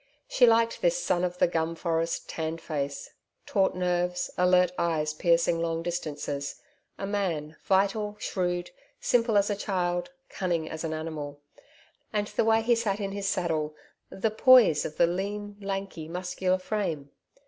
She liked this son of the gum forest tanned face, taut nerves, alert eyes piercing long distances a man, vital, shrewd, simple as a child, cunning as an animal. And the way he sat in his saddle, the poise of the lean, lanky muscular frame!